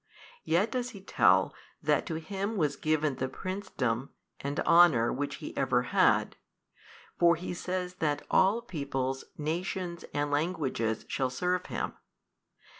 Yet does he tell that to Him was given the princedom and honour which He ever had; for he says that all peoples nations and languages shall serve Him.